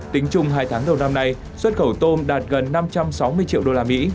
tính chung hai tháng đầu năm nay xuất khẩu tôm đạt gần năm trăm sáu mươi triệu usd